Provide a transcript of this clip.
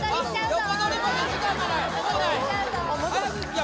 横取りまで時間がないいや